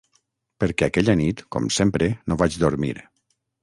Perquè aquella nit, com sempre, no vaig dormir.